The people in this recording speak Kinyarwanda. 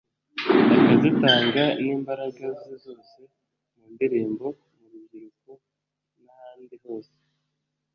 akazitanga n’imbaraga ze zose mu ndirimbo, mu rubyiruko n’ahandi hose